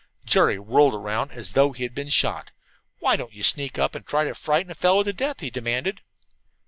Jerry whirled around as though he had been shot. "Why don't you sneak up and try to frighten a fellow to death?" he demanded.